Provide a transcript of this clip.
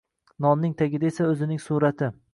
Nonning tagida esa o‘zining surati.